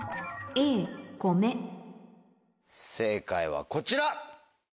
正解はこちら。